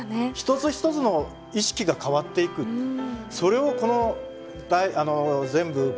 一つ一つの意識が変わっていくそれをこの全部５戦で見せてくれた。